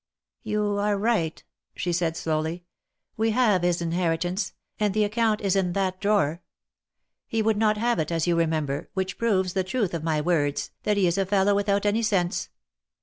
"You are right," she said, slowly; "we have his inheri* tance, and the account is in that drawer. He would not have it, as you remember, which proves the truth of my words, that he is a fellow without any sense.